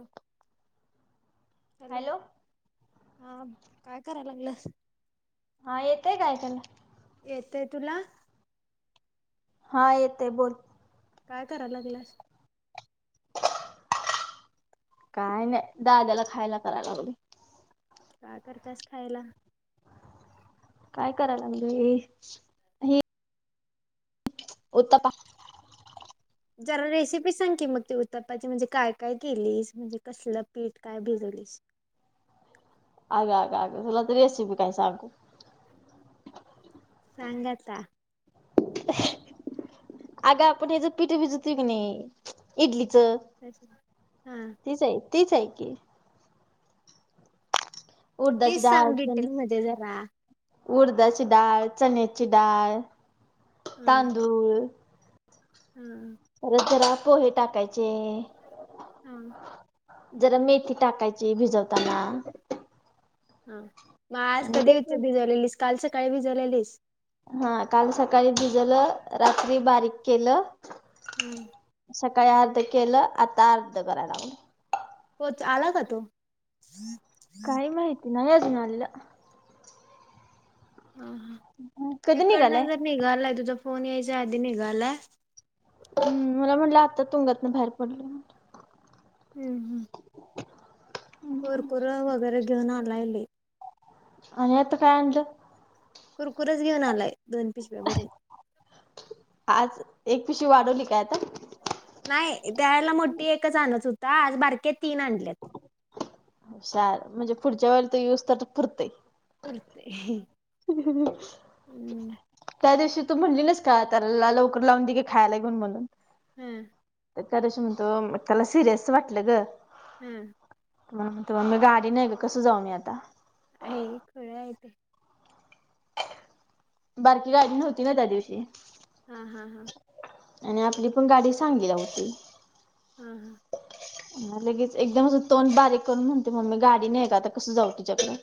हो [inaudible] हॅलो हा काय कराय लागलं? हा येतंय का ऐकायला? येतय तुला? हा येतेय बोल. काय करायला लागल्यास? काय नाही दाद्याला खायला करायला लागले. का करत्यास खायला? काय करायलागली? उत्तापा जरा रेसिपी सांग की मग ती उतप्पाची. म्हणजे काय काय केलीस म्हणजे कसलं पीठ काय भिजवलीस. आग आग आग तुला तर रेसिबी काय सागू. सांग आता. अग आपण हेच पिठ भिजतुय की नाही इडलीच. हा. तीच आहे तीच आहेऐ की. मग उडदाची तीच सांग डाळ डिटेल मध्ये जरा. उडदाची डाळ, चण्याची डाळ, तांदूळ. हम्. परत जरा पोहे टाकायचे. हा. जरा मेथी टाकायची भिजवताना. हा मग आज आणि कधी ते भिजवलेलीस काल सकाळी भिजवलेलीस. हा काल सकाळी भिजवलं रात्री बारीक केलं. हम्. सकाळी अर्ध केलं आता अर्ध कराय लागलोय. होच आला का तो. काही माहिती नाही अजून आलेला. हा हा कधी इकडनं निघालाय? जर निघालाय, तुझा फोन यायच्या आधी निघालाय. मला म्हटलं आता तुंगातन बाहेर पडलो. हम्म हम्. कुरकुरो वगैरे घेऊन आलाय. आणि आता काय आनल? कुरकुरेच घेऊन आलाय. दोन पिशव्या भरून. आज एक पिशी वाढवली काय आता. नाही त्या वेळेला मोठी एकच आणत होता. आज बारके तीन आणलेत. हुशार. म्हणजे पुढच्या वेळेला तेच यऊज तर पुरतंय. पुरतय. [unintelligible] त्या दिवशी तू म्हणली नाहीस का, त्याला लवकर लावून दे की खायला घेऊन म्हणून. हम्म. त्यादीशी म्हणतो. त्याला सिरियस वाटलं ग. हम्म. मला म्हणतो मम्मे गाडी नाही ग कसं जाऊ मी आता? आहे खुळय ते. बारकी गाडी नव्हती ना त्या दिवशी. हा हा हा. आणि आपली पण गाडी सांगलीला होती. हा, हा. लगेच एकदम असं तोन बारीक करून म्हणते. मम्मी गाडी नाही का आता कसं जाऊ तुच्याकडे?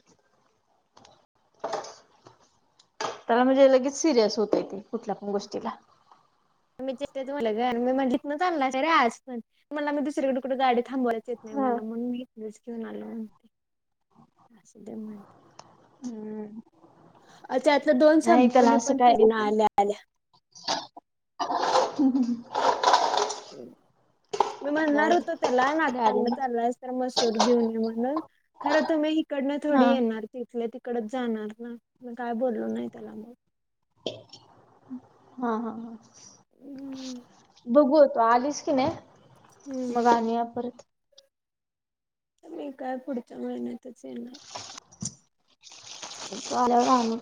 त्याला म्हणजे लगेच सिरियस होत य ते. कुठल्या पण गोष्टीला. मी ते तुमला घर मी म्हणजथन चालला अरे आज पण [unintelligible] तो म्हणला मी दुसरीकडे कुठे गाडी थांबवायच येत नाही हा मला. म्हणून मी इस घेऊन आलो म्हणते. असुद्या म. हम्म. त्यातला दोन नाही संपवली पण. पिढीन आल्या आल्या. ह [unintelligible] मी जाऊ म्हणणार दे होतो त्याला, गाडी नाष्टाग्न नाही. चाललाय तर मसूर घेऊन ये म्हणून. खरं त मी हीकडंन हा थोडी येणार. तिथल्या तिकडच जाणार ना. म काय बोललो नाही त्याला मग. हा हा हा. हम्म बघू तू आलीस की नाही, हम्म मग आनूया परत. मी काय पुढच्या महिन्यातच येणार. तू आलावर आणू.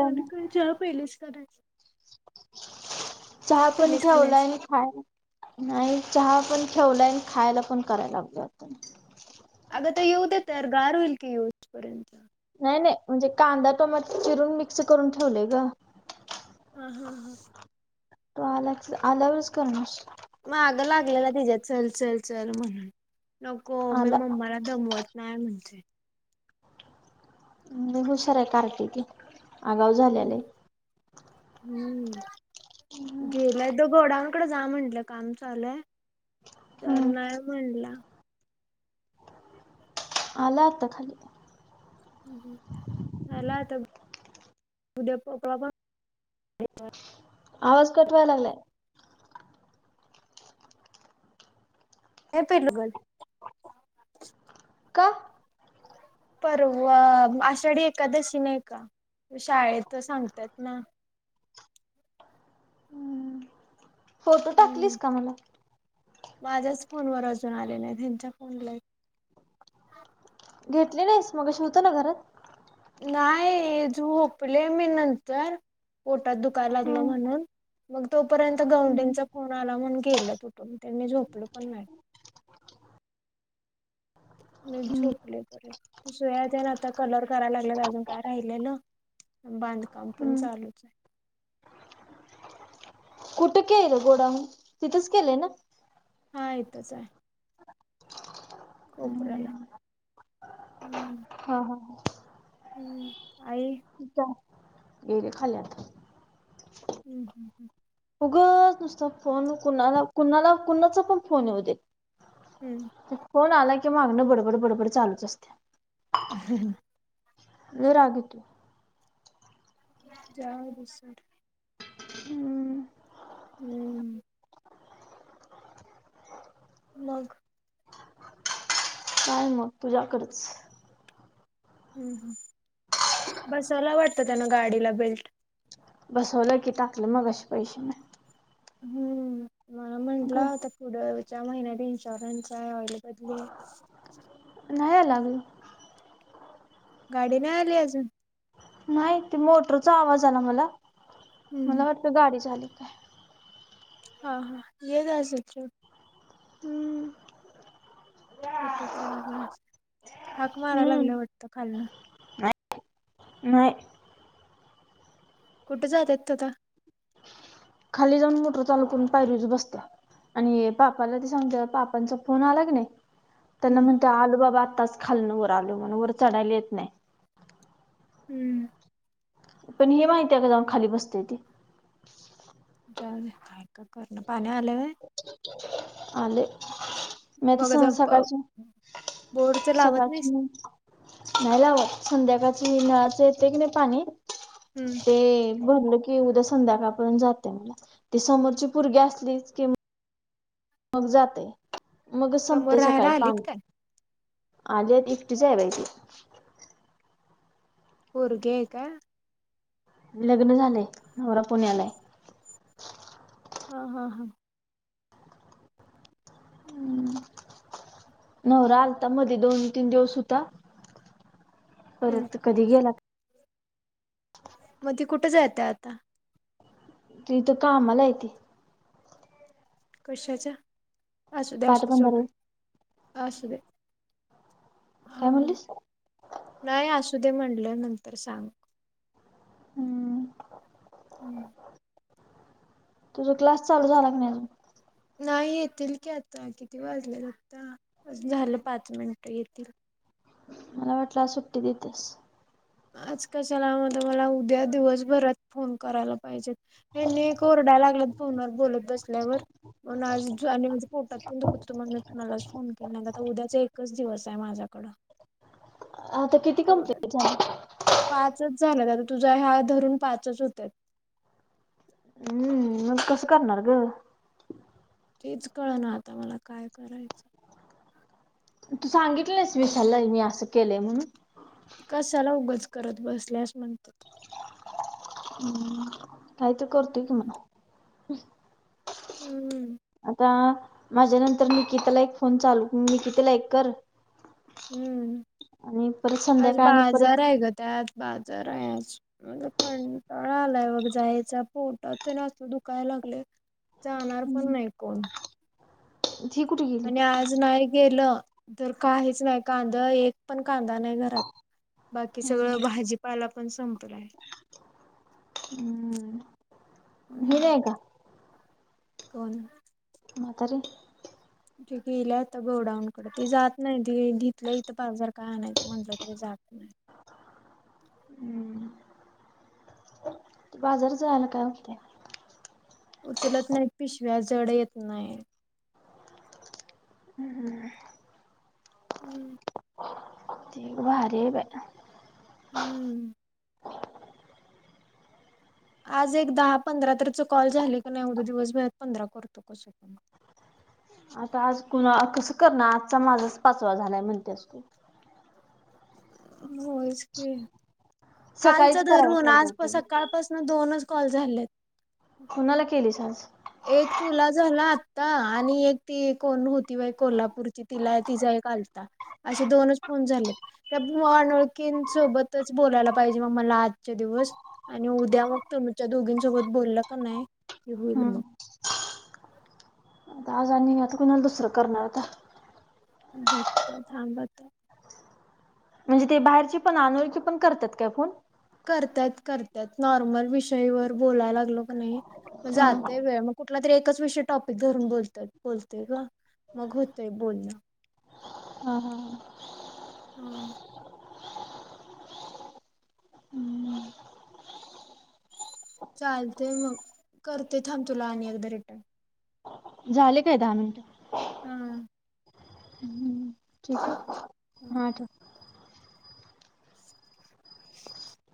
मग आता काय चहा पिलेस का नाही? चहा पण पेलीस का नाहीस ठेवलाईन. नाही चहा पण ठेवलायन. खायला पण कराय लागलो आता मी. अग ते येऊ दे तर, गार होईल की येऊपर्यंत. नाही नाही म्हणजे कांदा टोमॅट चिरून मिक्स करून ठेवलेय ग. हा हा हा. तो आला आल्यावरच कर नाश्ता. माग लागलेला तिच्या चल चल चल म्हणून. नको मी आला मम्माला दमवत नाय म्हणतोय. लई हुशारे कार्टी ती. आगाव झाल्या लई. हम्म गेलाय तो गोडाउन जा म्हंणलं. काम चालूये तर हम्म नाही म्हणला. आला आता खाली. झाला तर उद्या पाॅपकाॅन. आवाज कट व्हाय लागलाय. ये पिल्लु का? परवा आषाढी एकादशी नाही का शाळेत सांगतात ना. फोटो हम्म टाकलीस का मला? माझ्याच फोनवर अजून आले नाही ह्यांच्या फोनला ही. घेतलेस मगाशी होत ना घरात. नाही झोपले मी नंतर पोटात दुकायला लागल हम्म म्हणून. मग तोपर्यंत हम्म गवंड्याचा फोन आला म्हणून गेलं उठून त्यांनी झोपलं पण नाहीत. मी झोपले बर सोया त्याला आता कलर करायला लागल्यात अजून काय राहिलेल. बांधकाम पण हम्म चालूच आहे. कुठं केलं गोडाऊन तिथंच केलंय ना. हा इथेच आहे. कोपऱ्याला हम्म. हा हा ह हम्म हाय की चहा येरे खाल्यात. हम् हम् हम् उगंच नुसतं फोन कुणाला, कुणाला कुणाचा पण फोन येऊ दे. हम्म फोन आला की मागणं बडबड बडबड चालूच असते. ह हा ह लय राग येतोय. चहा बिस्कीट. हम्म हम्म मग काय मग तुझ्याकडच. हम् ह बसवला वाटतं त्यांना गाडीला बेल्ट. बसवलं की टाकलं मगाशी पैसे. हम्म मला अग म्हटलं होता पुढंच्या महिन्यात इन्शुरन्स आहे, ऑइल बदली आहे नाही आला अजुन गाडी नाही आली अजून नाही ती मोटरचा आवाज आला मला हम्म मला वाटतं गाडीच आली की काय. हा हा येत असल. हम्म कुठे तर आला असलं, हाक मारायला हम्म लागला वाटतं खालना. नाही कुठे जातेत तेव्हा. खाली जाऊन मोटर चालू करून पायरीवरच बसत्यात. आणि पापाला ते सांगते पापांचा फोन आला की नाही. त्यांना हम्म म्हणते आलू बाबा आत्ताच खाल ना वर आलू म्हण वर चढायला येत नाही. हम्म पण ही माहिती आहे का जाऊन खाली बसते ती, पाणी आल का नाही. आले, मी बघ आता प- सकाळच्या बोरचं लावत सकाळची नाहीस म- नाही लावत संध्याकाळच्या येळेला येतंय की नाही पाणी हम्म ते. भरलं की उद्या संध्याकाळ पर्यंत जाते म ती समोरची पोरगी असली कि, मग जातंय मग समोर संपते राहायला सकाळी आलीत पाणी- काय आल्यात एकटीच आहे बाई. पोरगी हाय काय? लग्न झाले नवरा पुण्याला. हा हा हा हम्म नवरा आलता मध्ये दोन तीन दिवस होता हम्म. परत कधी गेला. मग ती कुठं जयातं आता. तीथ कामला येते. कशाच्या असू दे्या असू दे सोट पाटबंधारे असू दे, काय हा म्हणलीस नाही असू दे म्हटल्या नंतर सांग. हम्म हम् तुझा क्लास चालू झाला क नाही अजून? नाही येतील की आता किती वाजले आता झालं पाच मिनट येतील. मला वाटलं आज सुट्टी देते. आज कशाला मला म्हणजे मला उद्या दिवसभरात फोन करायला पाहिजेत. हेन्ही एक ओरडायला लागल्यात फोनवर बोलत बसल्यावर. म्हणून आज आणि म्हणजे पोटात पण दुखत होते मी कोणालाच फोन केला आ उद्याचा एकच दिवस आहे माझ्याकडं- आता किती कंप्लेंट झाले. पाच झालेत, आता तुझा हा धरून पाच होतात. हम्म मग कसं करणार ग, तीच कळ ना आता मला काय करायचं तू सांगितली नाहीस विशाला मी असं केलंय म्हणून, कशाला उगंच करत बसल्यास म्हणतात. हम् काही तर करतोय कि म्हणावं. हम्मम आता माझ्या नंतर निकिताला एक फोन चालू निकितीला एक कर. हम्म आणि परत आज संध्याकाळ आणि बाजार परत आहे ग त्या आज बाजार आहे आज. म्हला कंटाळा आलाय बघ जायचा पोटात तर न असत दुखायला लागले. जाणार पण नाही कोण. ती कुठे गेली? आणि आज नाही गेलं तर काहीच नाही कांदा बिदं- एक पण कांदा नाही घरात बाकी सगळं हम्म, भाजीपाला पण संपलाय. हम हम्म होय का. कोण? म्हातारी. ती गेल्यात गोडाऊन कडे, ती जात नाही ती ईतलं इथं बाजार काय आणायचं म्हंटलं तरी जात नाही. हम बाजार जायला काय होतया. उचलत नाही पिशव्या जड येत नाही. हं हं अं, हम् [unintelligible] हम्म, आज एक दहा पंधरा तर कॉल झाले का नाही, उद्या दिवसभरात पंधरा करतो कसं पण. आता आज कुणा कसं करण आजचा माझाच पाचवा झालाय म्हणते अस तु. होयचं की, सकाळीच कालचं करायला धरून पाहिजे आज प होतं. सकाळपासून दोनच कॉल झालेत. कुणाला केलीस आज? एक तुला झाला आत्ता आणि एक ती कोण होती, बाई कोल्हापूरची तिला तिचा एक आलता. असे दोनच फोन झाले. त्या ब अनोळकींसोबतच बोलायला पाहिजे मग मला आजच्या दिवस. आणि उद्या मग तुमच्या दोघींसोबत बोललं का नाही की होईल हम्म. मग. [inaudible] आज आणि आता कुणाला दुसरं करणार आता? बघतो थांब आता. म्हणजे ते बाहेरची पण अनोळखी पण करतात काय फोन? करत्यात- करत्यात नॉर्मल विषयवर बोलायला लागलो की नाही मग हा जाते वेळ मग कुठला तरी एकच विषयी टॉपिक धरून बोलतोय बोलते गं. मग होतोय बोलणं. हा, हा, हा हम्म, चालते मग करते थांब तुला आणि एकदा रिटर्न. झाले काय दहा मिनिटं? हा, हम्म ठीक ठेवू का? आहे, हा ठेव. [inaudible]